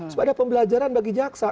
supaya ada pembelajaran bagi jaksa